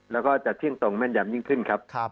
แล้วก็จะเที่ยงตรงแม่นยำยิ่งขึ้นครับ